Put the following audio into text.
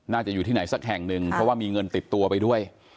น่าจะอยู่ที่ไหนสักแห่งหนึ่งเพราะว่ามีเงินติดตัวไปด้วย